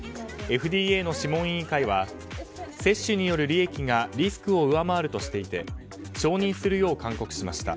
ＦＤＡの諮問委員会は接種による利益がリスクを上回るとしていて承認するよう勧告しました。